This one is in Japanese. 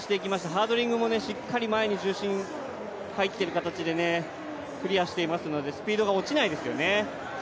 ハードリングもしっかり前に重心入ってる形でクリアしていますのでスピードが落ちないですよね。